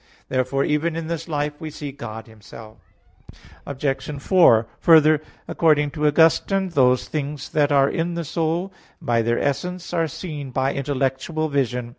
Therefore even in this life we see God Himself. Obj. 4: Further, according to Augustine (Gen. ad lit. xii, 24, 25), those things that are in the soul by their essence are seen by intellectual vision.